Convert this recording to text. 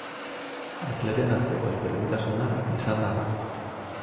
Atleten arteko berdintasuna izan da gakoa.